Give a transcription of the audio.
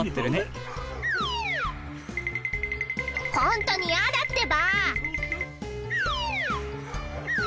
ホントに嫌だってば！